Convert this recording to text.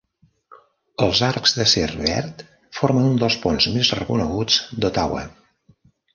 Els arcs d"acer verd formen un dels ponts més reconeguts d"Ottawa.